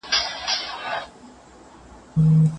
په بهر کی ښکاره او یا رامنځته سی.